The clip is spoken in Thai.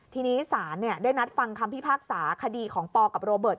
ทีนี้ศาลได้นัดฟังคำพิพากษาคดีของปกับโรเบิร์ต